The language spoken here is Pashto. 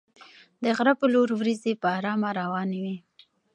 د غره په لور ورېځې په ارامه روانې وې.